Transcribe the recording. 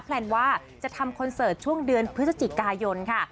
แลนว่าจะทำคอนเสิร์ตช่วงเดือนพฤศจิกายนค่ะ